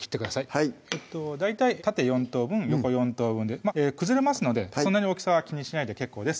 はい大体縦４等分横４等分で崩れますのでそんなに大きさは気にしないで結構です